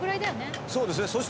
そうですね。